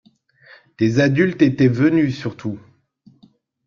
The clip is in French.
Des adultes étaient venus surtout.